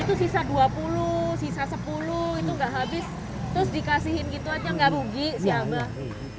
kalau ada dua puluh dibagikan